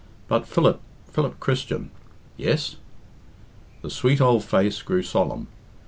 But Philip Philip Christian " "Yes?" The sweet old face grew solemn.